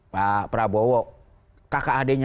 pak prabowo kakak adeknya